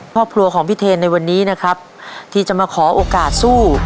ครอบครัวของพี่เทนในวันนี้นะครับที่จะมาขอโอกาสสู้